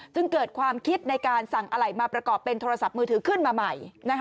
จึงเกิดความคิดในการสั่งอะไหล่มาประกอบเป็นโทรศัพท์มือถือขึ้นมาใหม่